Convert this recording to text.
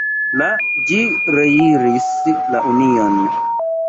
La ĝi reiris la Union.